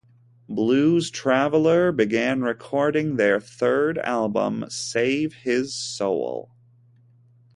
Blues Traveler began recording their third album, "Save His Soul".